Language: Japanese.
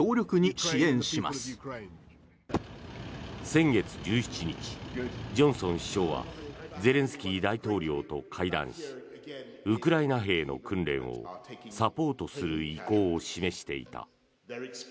先月１７日ジョンソン首相はゼレンスキー大統領と会談しウクライナ兵の訓練をサポートする意向を示していた。